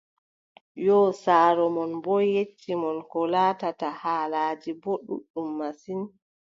Yoo saaro mon boo yecci mon koo laatata, haalaaji boo ɗuuɗɗum masin.